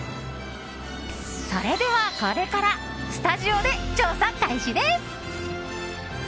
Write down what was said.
それでは、これからスタジオで調査開始です。